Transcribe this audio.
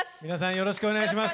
よろしくお願いします。